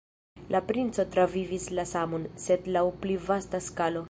La princo travivis la samon, sed laŭ pli vasta skalo.